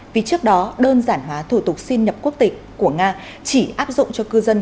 vì trước đó đơn giản hóa thủ tục xin nhập quốc tịch của nga chỉ áp dụng cho cư dân